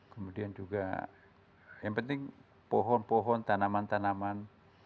kemudian juga yang penting pohon pohon tanaman tanaman